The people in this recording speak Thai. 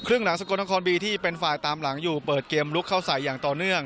หลังสกลนครบีที่เป็นฝ่ายตามหลังอยู่เปิดเกมลุกเข้าใส่อย่างต่อเนื่อง